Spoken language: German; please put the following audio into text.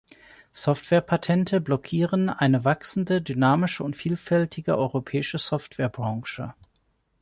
Softwarepatente blockieren eine wachsende, dynamische und vielfältige europäische Softwarebranche.